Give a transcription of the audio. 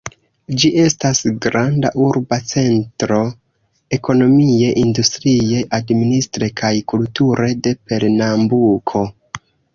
Ĝi estas granda urba centro, ekonomie, industrie, administre kaj kulture, de Pernambuko.